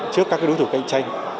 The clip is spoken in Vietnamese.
trước các đối thủ cạnh tranh